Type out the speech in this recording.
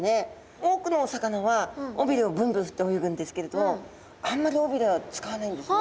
多くのお魚は尾びれをブンブン振って泳ぐんですけれどあんまり尾びれは使わないんですね。